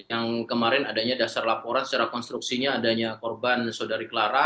yang kemarin adanya dasar laporan secara konstruksinya adanya korban saudari clara